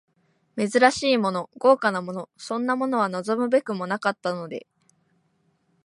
珍しいもの、豪華なもの、そんなものは望むべくもなかったので、